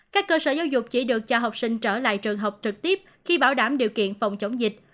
các cơ sở giáo dục chỉ được cho học sinh trở lại trường học trực tiếp khi bảo đảm điều kiện phòng chống dịch